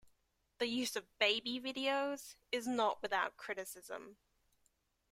The use of baby videos is not without criticism.